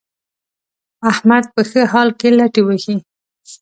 احمد په ښه حال کې لتې وهي.